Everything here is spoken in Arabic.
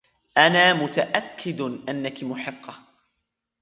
أنا متأكد أنكِ محقة.